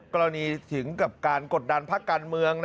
กรณีถึงกับการกดดันพักการเมือง